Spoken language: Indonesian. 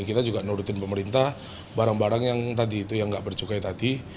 kita juga nurutin pemerintah barang barang yang tadi itu yang nggak bercukai tadi